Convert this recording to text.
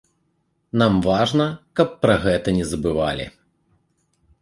Нам важна, каб пра гэта не забывалі.